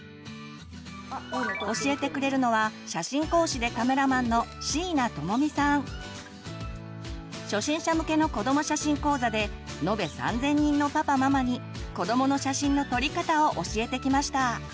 教えてくれるのは初心者向けの子ども写真講座で延べ３，０００人のパパママに子どもの写真の撮り方を教えてきました。